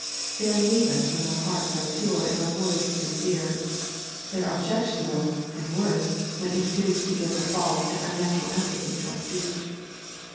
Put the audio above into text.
They are needless when our hearts are pure and our words sincere ; tbey are objectionable, and worse, when introduced to give a false and unnatural emphasis to our speech.